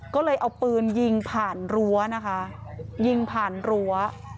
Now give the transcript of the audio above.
ก็เลยเอาปืนยิงผ่านรั้วนะคะยิงผ่านรั้ว